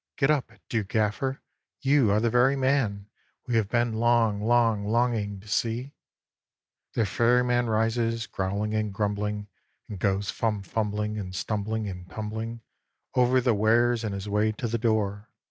"Get up, do, Gaffer! You are the very man We have been long long longing to see." The Ferryman rises, growling and grumbling, And goes fum fumbling, and stumbling, and tumbling, Over the wares in his way to the door.